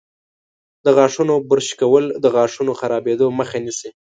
د غاښونو برش کول د غاښونو خرابیدو مخه نیسي.